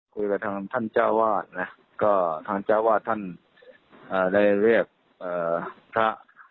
คุยกับทางท่านเจ้าวาดนะก็ทางเจ้าวาดท่านได้เรียกพระ